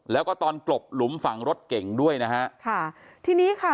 แล้วก็ตอนกลบหลุมฝั่งรถเก่งด้วยนะฮะค่ะทีนี้ค่ะ